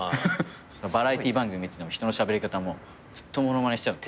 バラエティー番組見てても人のしゃべり方もずっと物まねしちゃう。